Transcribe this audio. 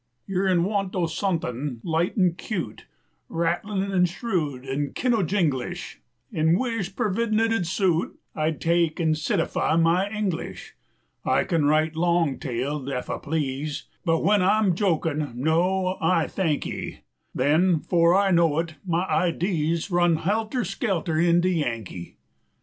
You're 'n want o' sunthin' light an' cute, Rattlin' an' shrewd an' kin' o' jingleish, 10 An' wish, pervidin' it 'ould suit, I'd take an' citify my English. I ken write long tailed, ef I please, But when I'm jokin', no, I thankee; Then, 'fore I know it, my idees 15 Run helter skelter into Yankee.